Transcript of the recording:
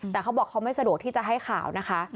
แต่เขาบอกเขาไม่สะดวกที่จะให้ข่าวนะคะ